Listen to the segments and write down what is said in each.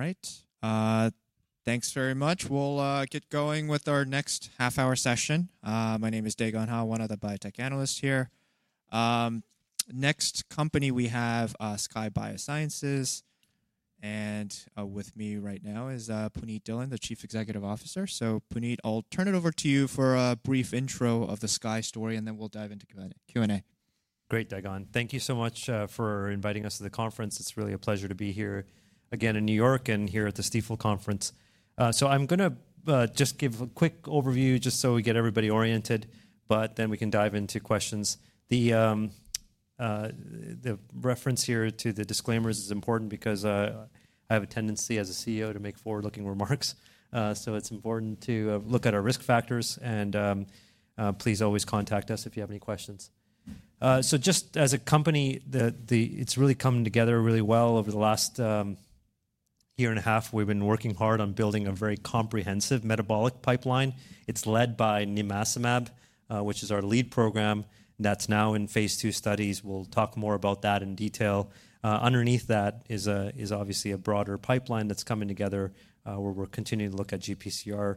All right. Thanks very much. We'll get going with our next half-hour session. My name is Dae Gon Ha, one of the biotech analysts here. Next company we have, Skye Biosciences. And with me right now is Punit Dhillon, the Chief Executive Officer. So, Punit, I'll turn it over to you for a brief intro of the Skye story, and then we'll dive into Q&A. Great, Dae Gon. Thank you so much for inviting us to the conference. It's really a pleasure to be here again in New York and here at the Stifel Conference. I'm going to just give a quick overview just so we get everybody oriented, but then we can dive into questions. The reference here to the disclaimers is important because I have a tendency as a CEO to make forward-looking remarks. It's important to look at our risk factors. Please always contact us if you have any questions. Just as a company, it's really come together really well over the last year and a half. We've been working hard on building a very comprehensive metabolic pipeline. It's led by nimacimab, which is our lead program. That's now in Phase 2 studies. We'll talk more about that in detail. Underneath that is obviously a broader pipeline that's coming together, where we're continuing to look at GPCR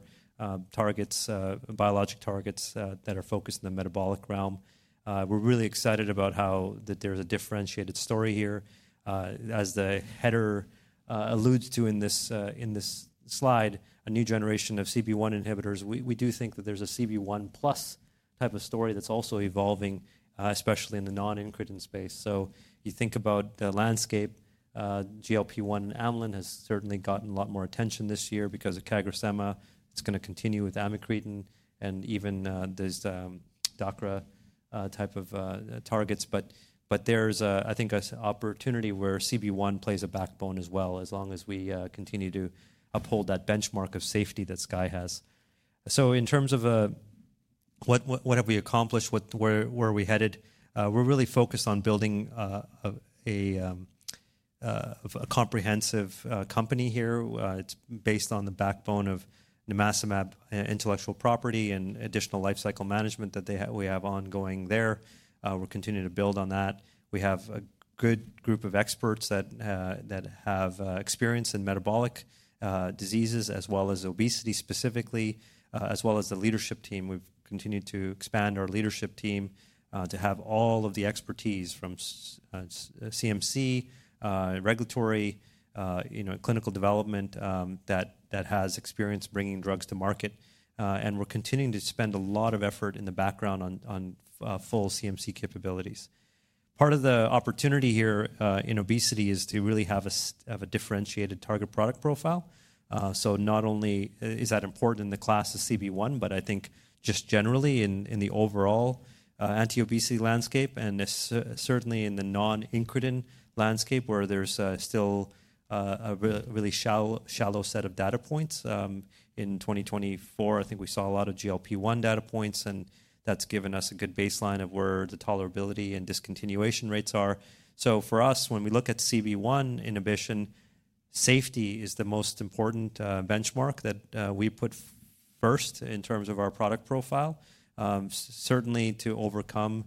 targets, biologic targets, that are focused in the metabolic realm. We're really excited about how that there's a differentiated story here. As the header alludes to in this slide, a new generation of CB1 inhibitors. We do think that there's a CB1 plus type of story that's also evolving, especially in the non-incretin space. So you think about the landscape, GLP-1 and amylin has certainly gotten a lot more attention this year because of CagriSema. It's going to continue with amycretin and even there's DACRA type of targets. But there's I think an opportunity where CB1 plays a backbone as well, as long as we continue to uphold that benchmark of safety that Skye has. So in terms of what have we accomplished? What, where are we headed? We're really focused on building a comprehensive company here. It's based on the backbone of nimacimab intellectual property and additional life cycle management that they have, we have ongoing there. We're continuing to build on that. We have a good group of experts that have experience in metabolic diseases as well as obesity specifically, as well as the leadership team. We've continued to expand our leadership team to have all of the expertise from CMC, regulatory, you know, clinical development that has experience bringing drugs to market, and we're continuing to spend a lot of effort in the background on full CMC capabilities. Part of the opportunity here in obesity is to really have a differentiated target product profile. So not only is that important in the class of CB1, but I think just generally in the overall anti-obesity landscape and certainly in the non-incretin landscape where there's still a really shallow, shallow set of data points. In 2024, I think we saw a lot of GLP-1 data points, and that's given us a good baseline of where the tolerability and discontinuation rates are. So for us, when we look at CB1 inhibition, safety is the most important benchmark that we put first in terms of our product profile, certainly to overcome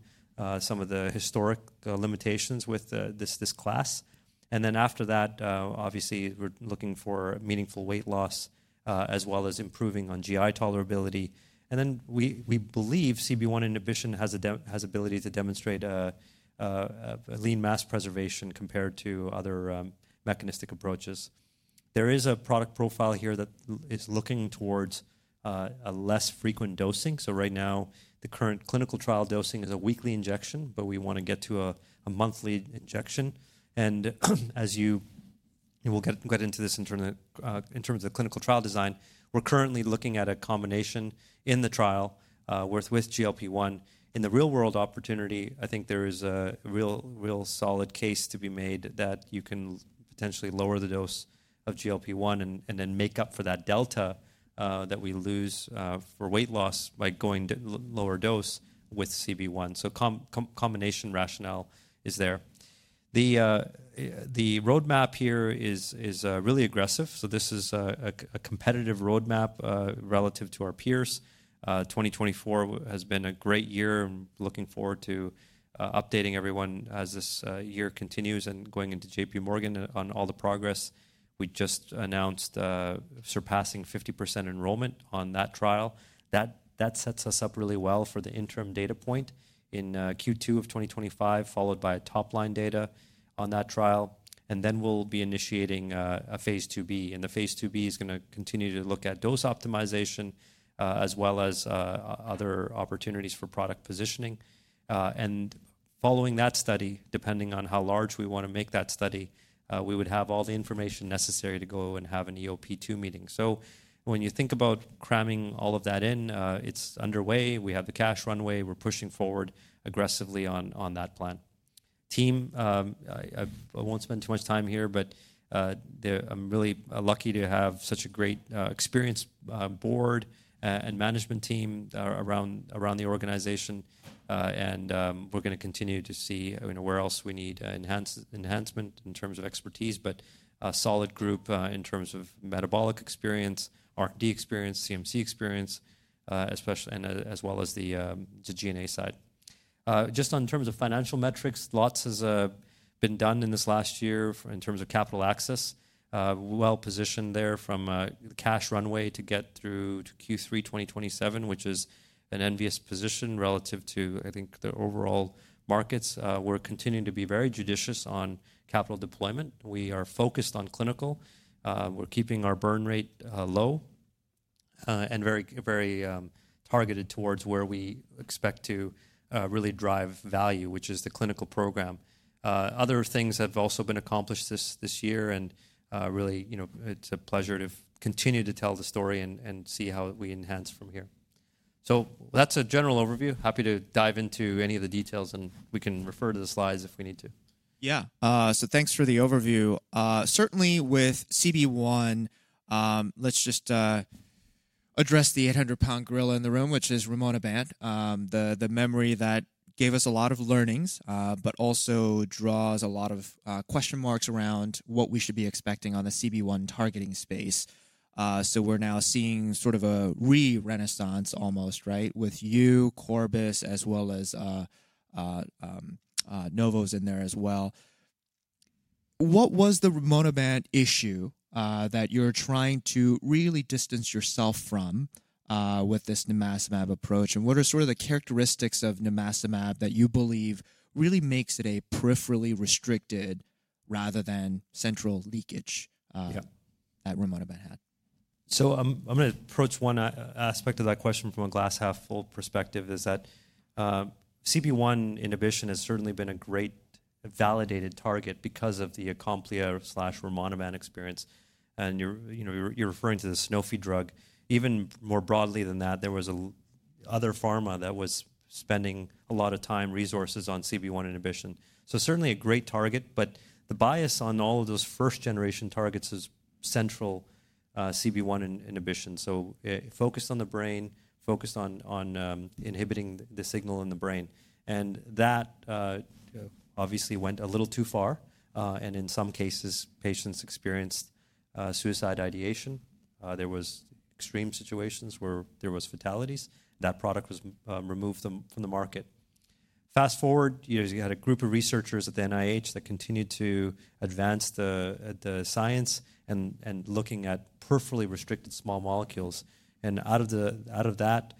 some of the historic limitations with this class. And then after that, obviously we're looking for meaningful weight loss, as well as improving on GI tolerability. And then we believe CB1 inhibition has ability to demonstrate a lean mass preservation compared to other mechanistic approaches. There is a product profile here that is looking towards a less frequent dosing. So right now, the current clinical trial dosing is a weekly injection, but we want to get to a monthly injection. And as you will get into this in terms of the clinical trial design, we're currently looking at a combination in the trial with GLP-1. In the real world opportunity, I think there is a real solid case to be made that you can potentially lower the dose of GLP-1 and then make up for that delta that we lose for weight loss by going to lower dose with CB1. So combination rationale is there. The roadmap here is really aggressive. So this is a competitive roadmap relative to our peers. 2024 has been a great year. I'm looking forward to updating everyone as this year continues and going into JPMorgan on all the progress. We just announced surpassing 50% enrollment on that trial. That sets us up really well for the interim data point in Q2 of 2025, followed by top line data on that trial. Then we'll be initiating a Phase 2B, and the Phase 2b is going to continue to look at dose optimization, as well as other opportunities for product positioning. Following that study, depending on how large we want to make that study, we would have all the information necessary to go and have an EOP2 meeting. So when you think about cramming all of that in, it's underway. We have the cash runway. We're pushing forward aggressively on that plan. Team, I won't spend too much time here, but I'm really lucky to have such a great, experienced board and management team around the organization. We're going to continue to see, you know, where else we need enhancement in terms of expertise, but a solid group in terms of metabolic experience, R&D experience, CMC experience, especially, and as well as the G&A side. Just in terms of financial metrics, lots has been done in this last year in terms of capital access. Well positioned there from the cash runway to get through to Q3 2027, which is an enviable position relative to, I think, the overall markets. We're continuing to be very judicious on capital deployment. We are focused on clinical. We're keeping our burn rate low and very targeted towards where we expect to really drive value, which is the clinical program. Other things have also been accomplished this year. Really, you know, it's a pleasure to continue to tell the story and see how we enhance from here. So that's a general overview. Happy to dive into any of the details, and we can refer to the slides if we need to. Yeah, so thanks for the overview. Certainly with CB1, let's just address the 800 lb gorilla in the room, which is rimonabant. The memory that gave us a lot of learnings, but also draws a lot of question marks around what we should be expecting on the CB1 targeting space, so we're now seeing sort of a renaissance almost, right? With you, Corbus, as well as Novo's in there as well. What was the rimonabant issue that you're trying to really distance yourself from with this nimacimab approach? And what are sort of the characteristics of nimacimab that you believe really makes it a peripherally restricted rather than central leakage that rimonabant had? So I'm going to approach one aspect of that question from a glass half full perspective, is that CB1 inhibition has certainly been a great validated target because of the Acomplia/rimonabant experience. And you're, you know, referring to the Sanofi drug. Even more broadly than that, there was another pharma that was spending a lot of time resources on CB1 inhibition. So certainly a great target, but the basis on all of those first generation targets is central CB1 inhibition. So it focused on the brain, focused on inhibiting the signal in the brain. And that obviously went a little too far, and in some cases patients experienced suicidal ideation. There were extreme situations where there were fatalities. That product was removed from the market. Fast forward, you know, you had a group of researchers at the NIH that continued to advance the science and looking at peripherally restricted small molecules. And out of that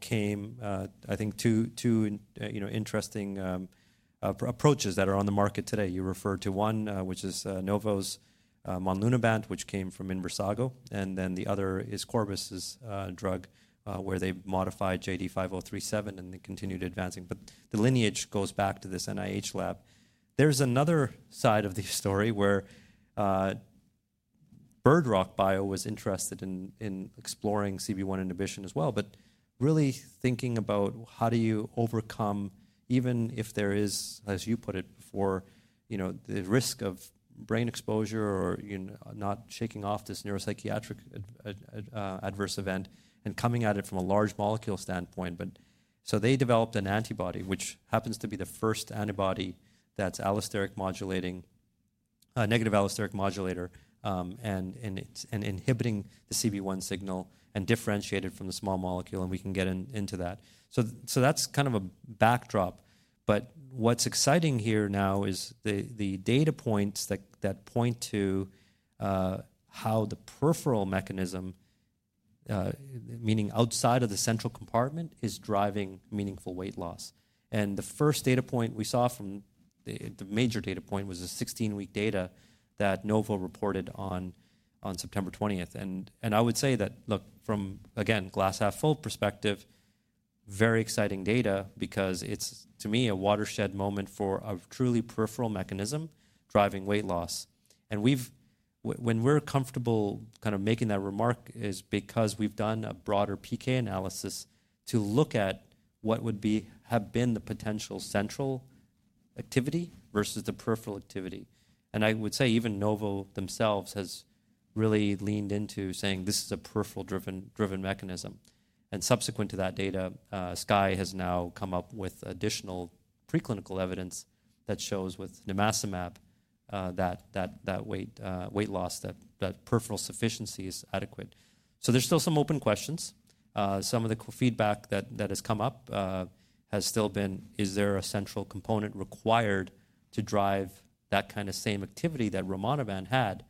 came, I think two, you know, interesting approaches that are on the market today. You referred to one, which is Novo's monlunabant, which came from Inversago. And then the other is Corbus's drug, where they modified JD5037 and they continued advancing. But the lineage goes back to this NIH lab. There's another side of the story where Bird Rock Bio was interested in exploring CB1 inhibition as well, but really thinking about how do you overcome, even if there is, as you put it before, you know, the risk of brain exposure or, you know, not shaking off this neuropsychiatric adverse event and coming at it from a large molecule standpoint. They developed an antibody, which happens to be the first antibody that's allosteric modulating, negative allosteric modulator, and it's inhibiting the CB1 signal and differentiated from the small molecule. We can get into that. So that's kind of a backdrop. What's exciting here now is the data points that point to how the peripheral mechanism, meaning outside of the central compartment, is driving meaningful weight loss. The first data point we saw, the major data point, was the 16-week data that Novo reported on September 20th. I would say that, look, from a glass half full perspective, very exciting data because it's to me a watershed moment for a truly peripheral mechanism driving weight loss. And we've, when we're comfortable kind of making that remark is because we've done a broader PK analysis to look at what would be, have been the potential central activity versus the peripheral activity. And I would say even Novo themselves has really leaned into saying this is a peripheral driven mechanism. And subsequent to that data, Skye has now come up with additional preclinical evidence that shows with nimacimab that weight loss, that peripheral sufficiency is adequate. So there's still some open questions. Some of the feedback that has come up has still been, is there a central component required to drive that kind of same activity that rimonabant had?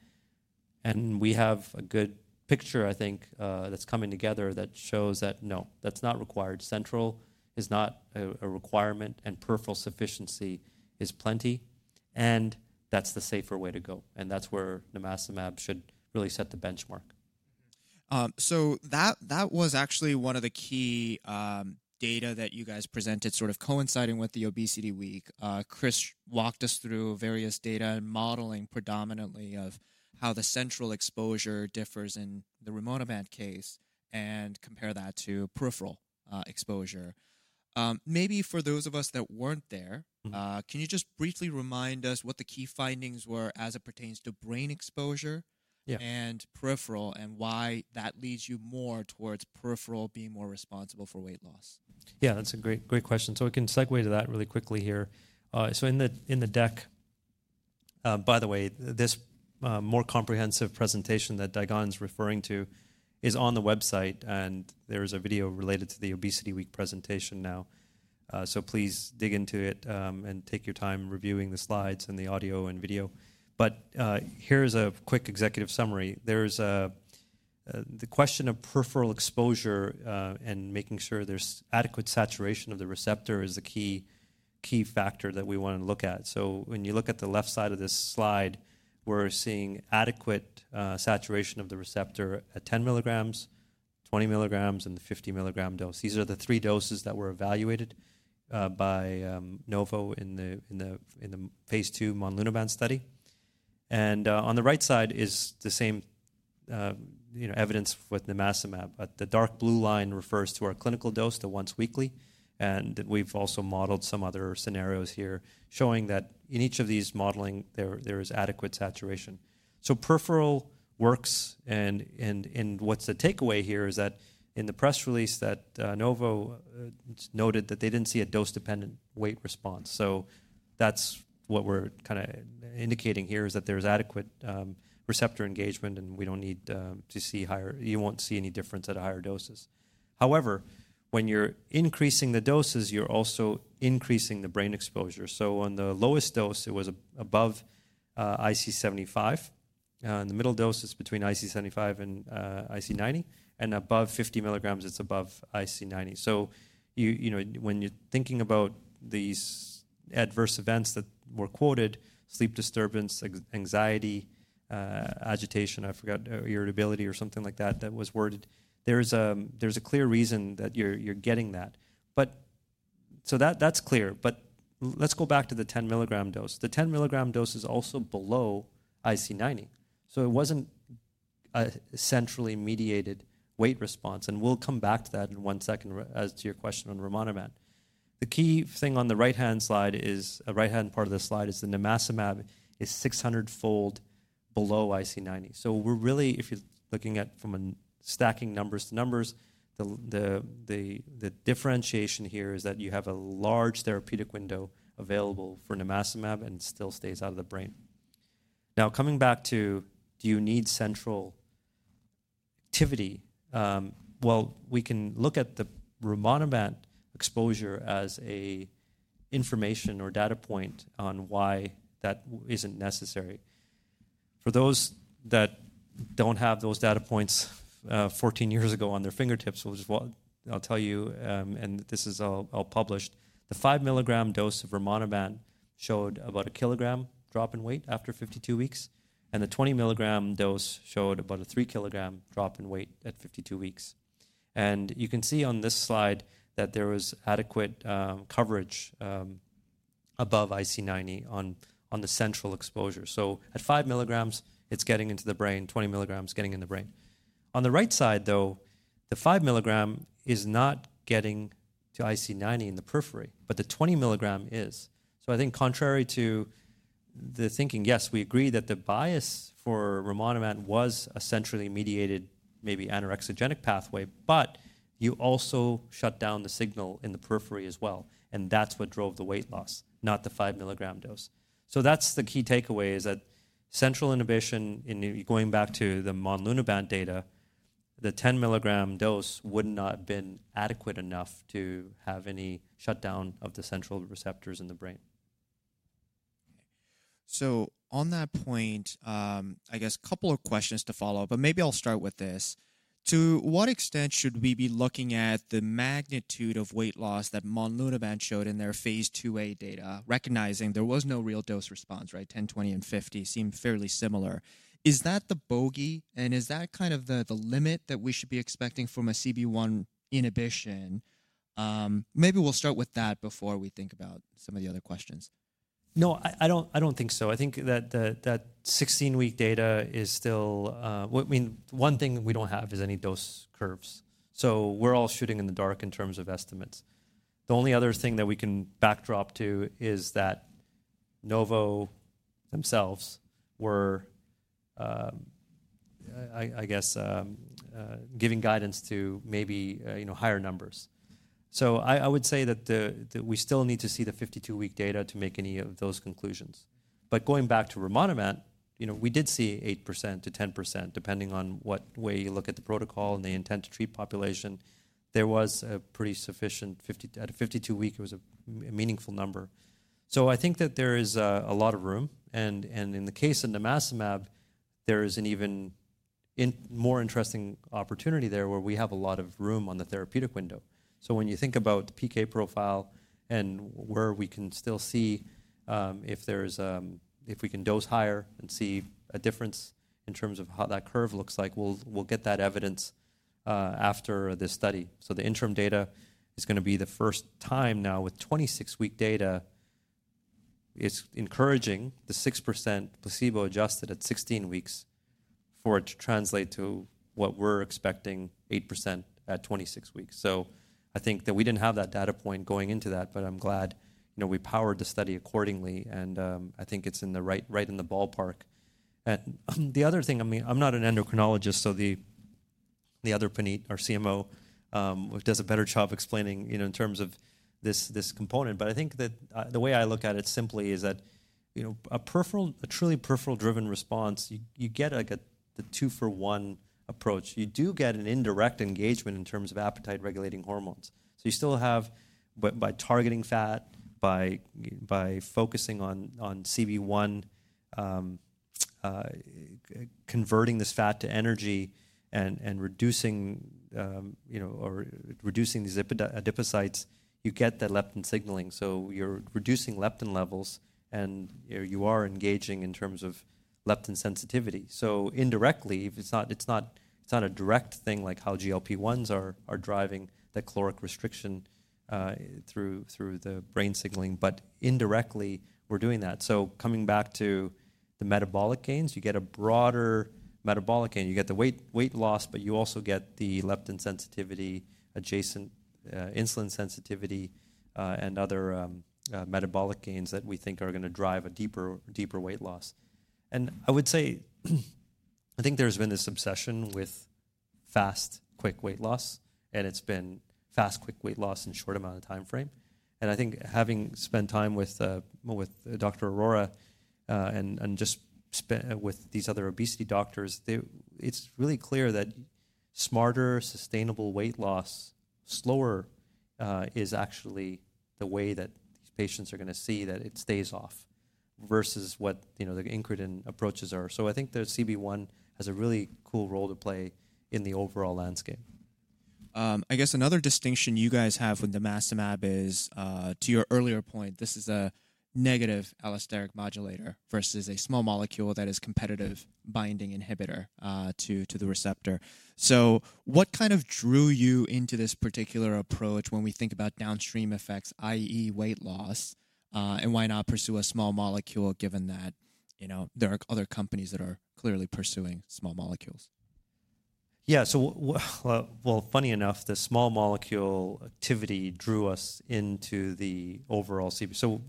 And we have a good picture, I think, that's coming together that shows that no, that's not required. Central is not a requirement and peripheral sufficiency is plenty. And that's the safer way to go. And that's where nimacimab should really set the benchmark. So that was actually one of the key data that you guys presented sort of coinciding with the ObesityWeek. Chris walked us through various data and modeling predominantly of how the central exposure differs in the rimonabant case and compare that to peripheral exposure. Maybe for those of us that weren't there, can you just briefly remind us what the key findings were as it pertains to brain exposure? Yeah. And peripheral and why that leads you more towards peripheral being more responsible for weight loss? Yeah, that's a great, great question. So we can segue to that really quickly here. So in the, in the deck, by the way, this, more comprehensive presentation that Dae Gon's referring to is on the website and there's a video related to the obesity week presentation now. So please dig into it, and take your time reviewing the slides and the audio and video. But, here's a quick executive summary. There's, the question of peripheral exposure, and making sure there's adequate saturation of the receptor is the key, key factor that we want to look at. So when you look at the left side of this slide, we're seeing adequate, saturation of the receptor at 10 milligrams, 20 milligrams, and the 50 milligram dose. These are the three doses that were evaluated, by, Novo in the, in the, in the Phase 2 monlunabant study. On the right side is the same, you know, evidence with nimacimab, but the dark blue line refers to our clinical dose, the once weekly. We've also modeled some other scenarios here showing that in each of these modeling, there is adequate saturation. Peripheral works and what's the takeaway here is that in the press release that Novo noted that they didn't see a dose-dependent weight response. That's what we're kind of indicating here is that there's adequate receptor engagement and we don't need to see higher. You won't see any difference at higher doses. However, when you're increasing the doses, you're also increasing the brain exposure. On the lowest dose, it was above IC75. In the middle dose, it's between IC75 and IC90 and above 50 milligrams, it's above IC90. So you know, when you're thinking about these adverse events that were quoted, sleep disturbance, anxiety, agitation, I forgot, irritability or something like that, that was worded, there's a clear reason that you're getting that. But that's clear, but let's go back to the 10 milligram dose. The 10 milligram dose is also below IC90. So it wasn't a centrally mediated weight response. And we'll come back to that in one second as to your question on rimonabant. The key thing on the right-hand part of the slide is the nimacimab is 600-fold below IC90. So we're really, if you're looking at from a stacking numbers to numbers, the differentiation here is that you have a large therapeutic window available for nimacimab and still stays out of the brain. Now coming back to, do you need central activity? Well, we can look at the rimonabant exposure as information or a data point on why that isn't necessary. For those that don't have those data points 14 years ago at their fingertips, which is what I'll tell you, and this is all published, the five milligram dose of rimonabant showed about a kilogram drop in weight after 52 weeks. And the 20 milligram dose showed about a three kilogram drop in weight at 52 weeks. And you can see on this slide that there was adequate coverage above IC90 on the central exposure. So at five milligrams, it's getting into the brain, 20 milligrams getting in the brain. On the right side though, the five milligram is not getting to IC90 in the periphery, but the 20 milligram is. I think contrary to the thinking, yes, we agree that the bias for rimonabant was a centrally mediated, maybe anorexigenic pathway, but you also shut down the signal in the periphery as well. And that's what drove the weight loss, not the five milligram dose. So that's the key takeaway is that central inhibition, in going back to the monlunabant data, the 10 milligram dose would not have been adequate enough to have any shutdown of the central receptors in the brain. Okay. So on that point, I guess a couple of questions to follow up, but maybe I'll start with this. To what extent should we be looking at the magnitude of weight loss that monlunabant showed in their Phase 2a data, recognizing there was no real dose response, right? 10, 20, and 50 seem fairly similar. Is that the bogey? And is that kind of the limit that we should be expecting from a CB1 inhibition? Maybe we'll start with that before we think about some of the other questions. No, I don't think so. I think that the 16-week data is still, I mean, one thing we don't have is any dose curves. So we're all shooting in the dark in terms of estimates. The only other thing that we can backdrop to is that Novo themselves were, I guess, giving guidance to maybe, you know, higher numbers. So I would say that we still need to see the 52-week data to make any of those conclusions. But going back to rimonabant, you know, we did see 8%-10% depending on what way you look at the protocol and the intent to treat population. There was a pretty sufficient 50 at a 52-week, it was a meaningful number. So I think that there is a lot of room and in the case of nimacimab, there is an even more interesting opportunity there where we have a lot of room on the therapeutic window. So when you think about the PK profile and where we can still see if there's if we can dose higher and see a difference in terms of how that curve looks like, we'll get that evidence after this study. So the interim data is going to be the first time now with 26-week data. It's encouraging the 6% placebo adjusted at 16 weeks for it to translate to what we're expecting, 8% at 26 weeks. So I think that we didn't have that data point going into that, but I'm glad, you know, we powered the study accordingly. I think it's in the right ballpark. And the other thing, I mean, I'm not an endocrinologist, so the other Puneet, our CMO, does a better job explaining, you know, in terms of this component. But I think that the way I look at it simply is that, you know, a peripheral, a truly peripheral driven response, you get like a the two for one approach. You do get an indirect engagement in terms of appetite regulating hormones. So you still have, but by targeting fat, focusing on CB1, converting this fat to energy and reducing these adipocytes, you get that leptin signaling. So you're reducing leptin levels and you are engaging in terms of leptin sensitivity. So indirectly, it's not a direct thing like how GLP-1s are driving the caloric restriction through the brain signaling, but indirectly we're doing that. Coming back to the metabolic gains, you get a broader metabolic gain. You get the weight loss, but you also get the leptin sensitivity adjacent, insulin sensitivity, and other metabolic gains that we think are going to drive a deeper weight loss. I would say, I think there's been this obsession with fast, quick weight loss and it's been fast, quick weight loss in a short amount of timeframe. I think having spent time with Dr. Arora, and just spent with these other obesity doctors, it's really clear that smarter, sustainable weight loss, slower, is actually the way that these patients are going to see that it stays off versus what, you know, the incretin approaches are. So I think the CB1 has a really cool role to play in the overall landscape. I guess another distinction you guys have with nimacimab is, to your earlier point, this is a negative allosteric modulator versus a small molecule that is competitive binding inhibitor, to the receptor. So what kind of drew you into this particular approach when we think about downstream effects, i.e., weight loss, and why not pursue a small molecule given that, you know, there are other companies that are clearly pursuing small molecules? Yeah. So, well, funny enough, the small molecule activity drew us into the overall CB. So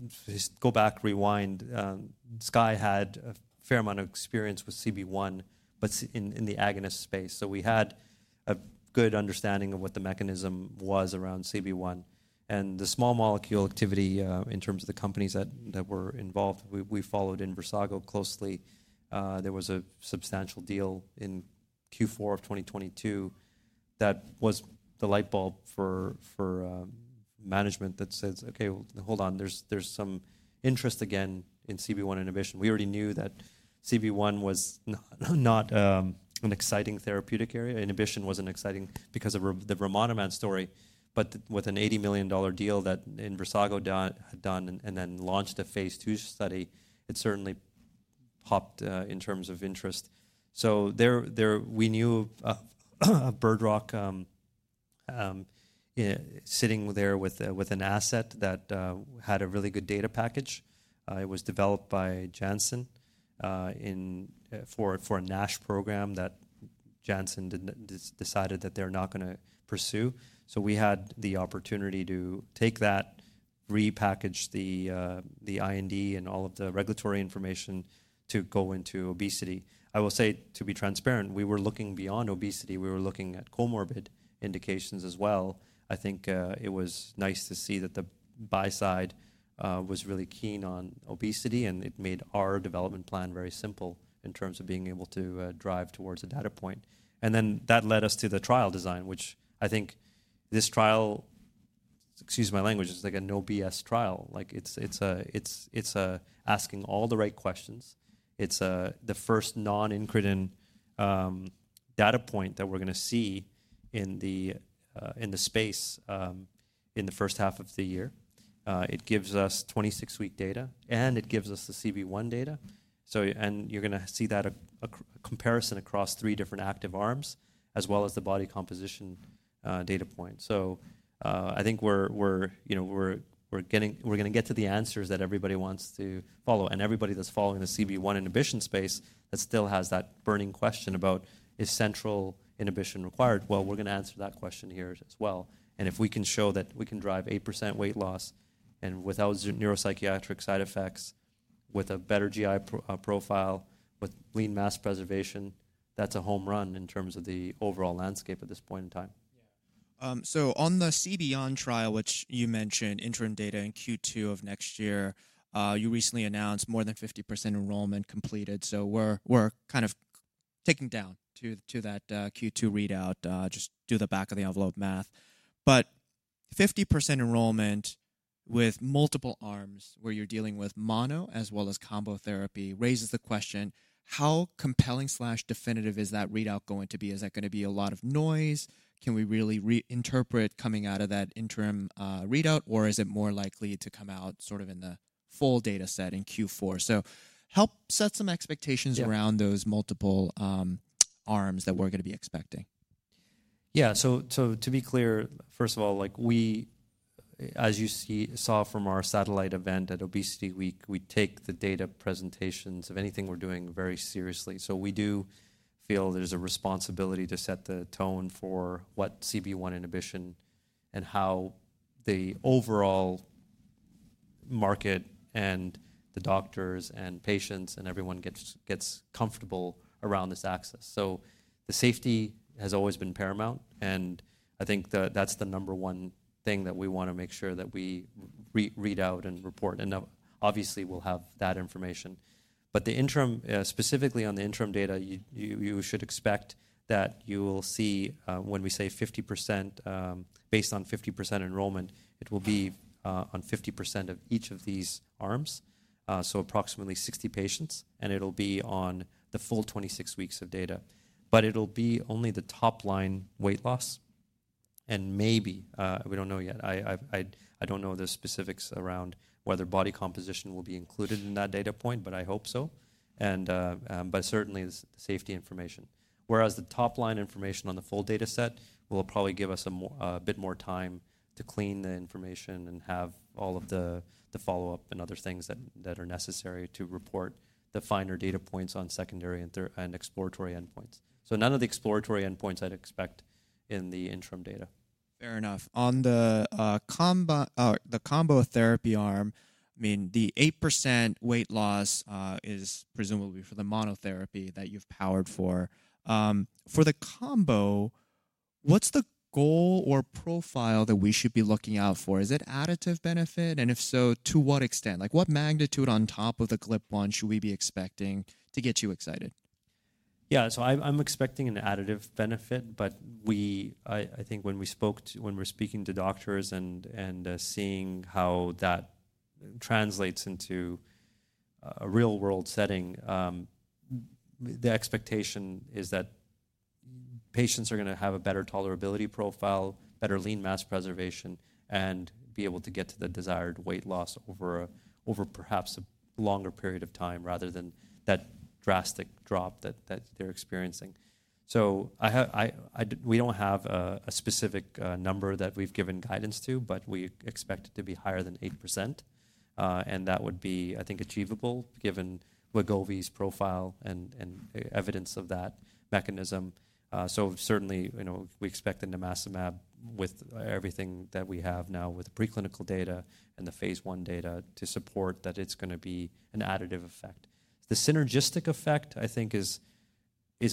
go back, rewind, Skye had a fair amount of experience with CB1, but in the agonist space. So we had a good understanding of what the mechanism was around CB1 and the small molecule activity, in terms of the companies that were involved. We followed Inversago closely. There was a substantial deal in Q4 of 2022 that was the light bulb for management that says, okay, hold on, there's some interest again in CB1 inhibition. We already knew that CB1 was not an exciting therapeutic area. Inhibition wasn't exciting because of the rimonabant story, but with an $80 million deal that Inversago had done and then launched a Phase 2 study, it certainly popped, in terms of interest. So there we knew a Bird Rock sitting there with an asset that had a really good data package. It was developed by Janssen for a NASH program that Janssen decided that they're not going to pursue. So we had the opportunity to take that, repackage the IND and all of the regulatory information to go into obesity. I will say to be transparent, we were looking beyond obesity. We were looking at comorbid indications as well. I think it was nice to see that the buy side was really keen on obesity and it made our development plan very simple in terms of being able to drive towards a data point. And then that led us to the trial design, which I think this trial excuse my language is like a no BS trial. Like it's asking all the right questions. It's the first non-incretin data point that we're going to see in the space in the first half of the year. It gives us 26-week data and it gives us the CB1 data. So, you're going to see that a comparison across three different active arms as well as the body composition data point. So, I think we're, you know, getting, we're going to get to the answers that everybody wants to follow. And everybody that's following the CB1 inhibition space that still has that burning question about, is central inhibition required? Well, we're going to answer that question here as well. And if we can show that we can drive eight% weight loss and without neuropsychiatric side effects, with a better GI profile, with lean mass preservation, that's a home run in terms of the overall landscape at this point in time. Yeah, so on the CB1 trial, which you mentioned interim data in Q2 of next year, you recently announced more than 50% enrollment completed. So we're kind of taking down to that Q2 readout. Just do the back of the envelope math, but 50% enrollment with multiple arms where you're dealing with mono as well as combo therapy raises the question, how compelling slash definitive is that readout going to be? Is that going to be a lot of noise? Can we really reinterpret coming out of that interim readout or is it more likely to come out sort of in the full data set in Q4? So help set some expectations around those multiple arms that we're going to be expecting. Yeah. So to be clear, first of all, like we saw from our satellite event at obesity, we take the data presentations of anything we're doing very seriously. So we do feel there's a responsibility to set the tone for what CB1 inhibition and how the overall market and the doctors and patients and everyone gets comfortable around this access. So the safety has always been paramount. And I think that that's the number one thing that we want to make sure that we re-read out and report. And obviously we'll have that information, but the interim, specifically on the interim data, you should expect that you will see, when we say 50%, based on 50% enrollment, it will be on 50% of each of these arms. So approximately 60 patients, and it'll be on the full 26 weeks of data, but it'll be only the top line weight loss, and maybe we don't know yet. I don't know the specifics around whether body composition will be included in that data point, but I hope so. And but certainly the safety information, whereas the top line information on the full data set will probably give us a bit more time to clean the information and have all of the follow-up and other things that are necessary to report the finer data points on secondary and exploratory endpoints. So none of the exploratory endpoints I'd expect in the interim data. Fair enough. On the combo therapy arm, I mean, the 8% weight loss is presumably for the monotherapy that you've powered for. For the combo, what's the goal or profile that we should be looking out for? Is it additive benefit? And if so, to what extent? Like what magnitude on top of the GLP-1 should we be expecting to get you excited? Yeah. So I'm expecting an additive benefit, but I think when we spoke, when we're speaking to doctors and seeing how that translates into a real world setting, the expectation is that patients are going to have a better tolerability profile, better lean mass preservation, and be able to get to the desired weight loss over perhaps a longer period of time rather than that drastic drop that they're experiencing. So we don't have a specific number that we've given guidance to, but we expect it to be higher than 8%. And that would be, I think, achievable given Wegovy's profile and evidence of that mechanism. So certainly, you know, we expect the nimacimab with everything that we have now with the preclinical data and the Phase 1 data to support that it's going to be an additive effect. The synergistic effect, I think, is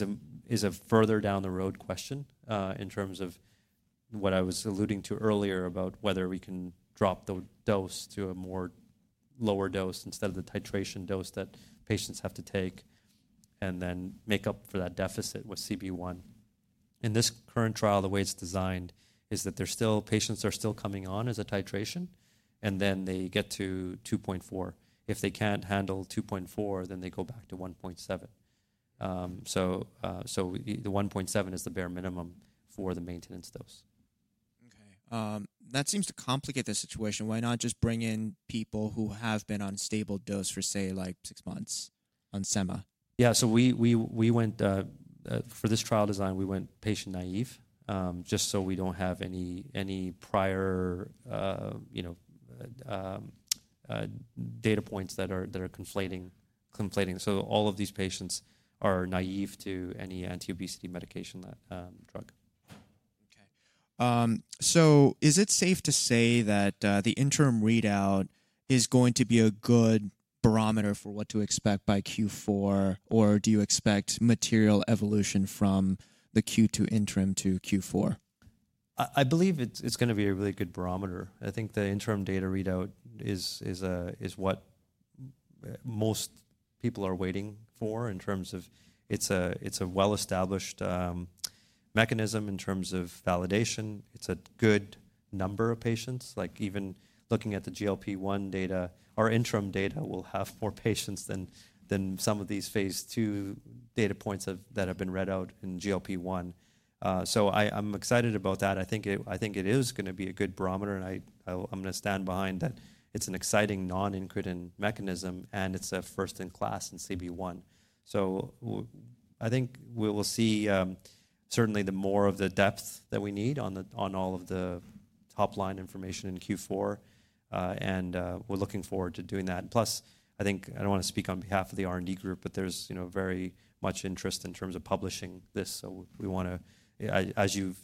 a further down the road question, in terms of what I was alluding to earlier about whether we can drop the dose to a more lower dose instead of the titration dose that patients have to take and then make up for that deficit with CB1. In this current trial, the way it's designed is that patients are still coming on as a titration and then they get to 2.4. If they can't handle 2.4, then they go back to 1.7. So the 1.7 is the bare minimum for the maintenance dose. Okay. That seems to complicate the situation. Why not just bring in people who have been on stable dose for say like six months on Sema? Yeah. So we went for this trial design. We went patient naive, just so we don't have any prior, you know, data points that are conflating. So all of these patients are naive to any anti-obesity medication, drug. Okay, so is it safe to say that the interim readout is going to be a good barometer for what to expect by Q4, or do you expect material evolution from the Q2 interim to Q4? I believe it's going to be a really good barometer. I think the interim data readout is what most people are waiting for in terms of it's a well-established mechanism in terms of validation. It's a good number of patients. Like even looking at the GLP-1 data, our interim data will have more patients than some of these Phase 2 data points that have been read out in GLP-1, so I'm excited about that. I think it is going to be a good barometer and I'm going to stand behind that it's an exciting non-incretin mechanism and it's a first in class in CB1, so I think we will see certainly the more of the depth that we need on all of the top line information in Q4, and we're looking forward to doing that. And plus, I think, I don't want to speak on behalf of the R&D group, but there's, you know, very much interest in terms of publishing this. So we want to, as you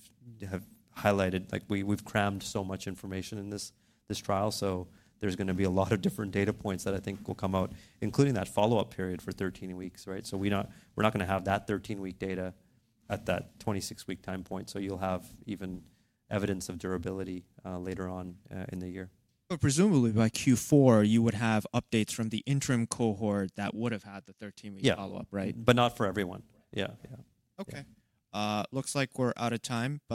have highlighted, like we've crammed so much information in this trial. So there's going to be a lot of different data points that I think will come out, including that follow-up period for 13 weeks, right? So we're not going to have that 13-week data at that 26-week time point. So you'll have even evidence of durability, later on, in the year. But presumably by Q4, you would have updates from the interim cohort that would've had the 13-week follow-up, right? Yeah, but not for everyone. Yeah. Yeah. Okay. Looks like we're out of time.